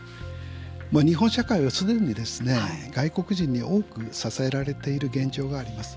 日本社会はすでに外国人に多く支えられている現状があります。